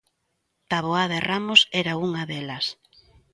Taboada e Ramos era unha delas.